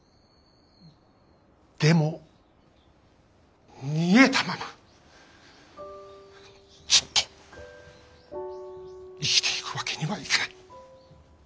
でも逃げたままずっと生きていくわけにはいかない。